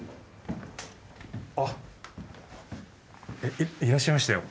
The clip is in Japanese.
あっいらっしゃいましたよ。